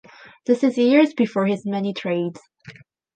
This is years before his many trades.